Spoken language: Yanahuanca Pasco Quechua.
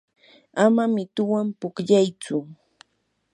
ama mituwan pukllayaychu.